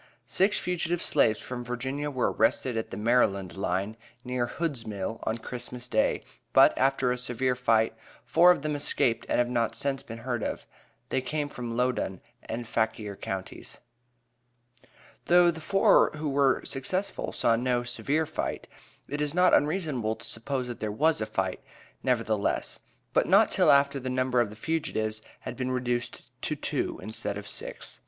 Six fugitive slaves from Virginia were arrested at the Maryland line, near Hood's Mill, on Christmas day, but, after a severe fight, four of them escaped and have not since been heard of. They came from Loudoun and Fauquier counties. Though the four who were successful, saw no "severe fight," it is not unreasonable to suppose, that there was a fight, nevertheless; but not till after the number of the fugitives had been reduced to two, instead of six.